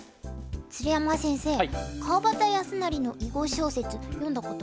鶴山先生川端康成の囲碁小説読んだことありますか？